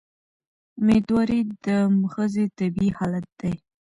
مېندواري د ښځې طبیعي حالت دی.